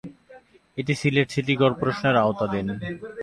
এটি সিলেট সিটি কর্পোরেশনের আওতাধীন।